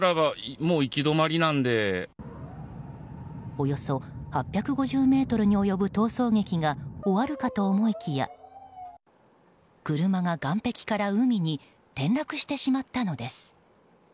およそ８５０ｍに及ぶ逃走劇が終わるかと思いきや車が岸壁から海に転落してしまったのです。